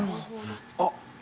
あっ。